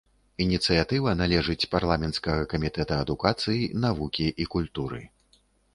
Ініцыятыва належыць парламенцкага камітэта адукацыі, навукі і культуры.